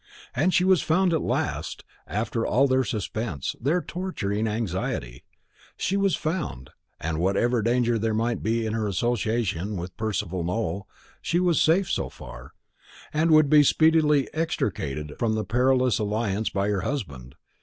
And she was found at last, after all their suspense, their torturing anxiety. She was found; and whatever danger there might be in her association with Percival Nowell, she was safe so far, and would be speedily extricated from the perilous alliance by her husband.